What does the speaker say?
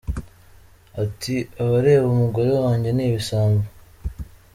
Ati “abareba umugore wanjye ni ibisambo.